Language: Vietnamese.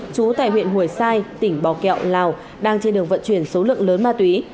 chú tại huyện hồi sai tỉnh bò kẹo lào đang trên đường vận chuyển số lượng lớn ma túy